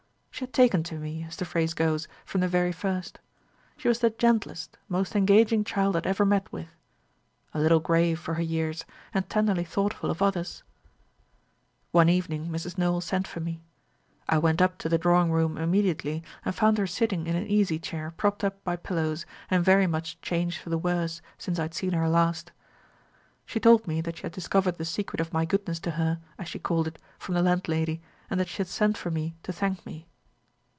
She had taken to me, as the phrase goes, from the very first. She was the gentlest, most engaging child I had ever met with a little grave for her years, and tenderly thoughtful of others. "One evening Mrs. Nowell sent for me. I went up to the drawing room immediately, and found her sitting in an easy chair propped up by pillows, and very much changed for the worse since I had seen her last. She told me that she had discovered the secret of my goodness to her, as she called it, from the landlady, and that she had sent for me to thank me.